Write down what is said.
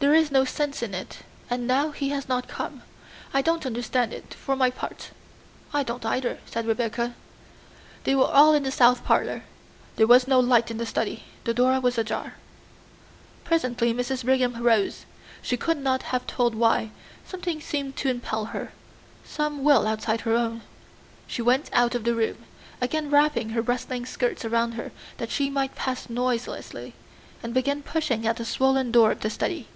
There is no sense in it, and now he has not come. I don't understand it, for my part." "I don't either," said Rebecca. They were all in the south parlor. There was no light in the study; the door was ajar. Presently Mrs. Brigham rose she could not have told why; something seemed to impel her some will outside her own. She went out of the room, again wrapping her rustling skirts round that she might pass noiselessly, and began pushing at the swollen door of the study.